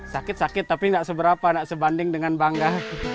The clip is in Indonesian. sakit sakit tapi tidak seberapa tidak sebanding dengan bangga